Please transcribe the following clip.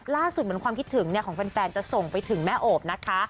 เหมือนความคิดถึงของแฟนจะส่งไปถึงแม่โอบนะคะ